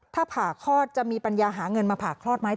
ถ้าผ่าคลอดจะมีปัญญาหาเงินมาผ่าคลอดไหม